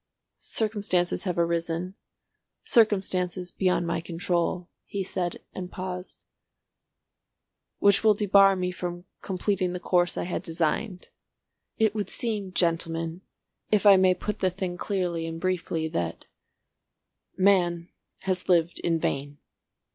"Circumstances have arisen—circumstances beyond my control," he said and paused, "which will debar me from completing the course I had designed. It would seem, gentlemen, if I may put the thing clearly and briefly, that—Man has lived in vain."